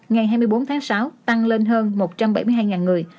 ngày hai mươi bốn tháng sáu tăng lên hơn một trăm bảy mươi hai người